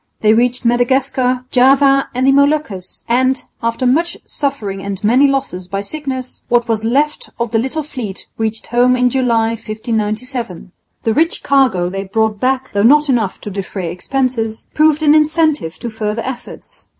They reached Madagascar, Java and the Moluccas, and, after much suffering and many losses by sickness, what was left of the little fleet reached home in July, 1597. The rich cargo they brought back, though not enough to defray expenses, proved an incentive to further efforts.